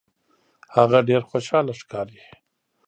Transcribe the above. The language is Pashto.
هغه ډیر خوشحاله ښکاري.